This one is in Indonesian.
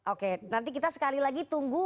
oke nanti kita sekali lagi tunggu